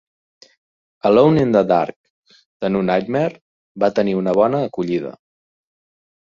"Alone in the Dark: The New Nightmare" va tenir una bona acollida.